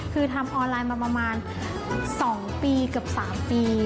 คือทำออนไลน์มาประมาณ๒ปีเกือบ๓ปี